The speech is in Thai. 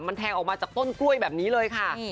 มันแทงออกมาจากต้นกล้วยแบบนี้เลยค่ะ